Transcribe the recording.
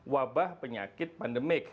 wabah penyakit pandemik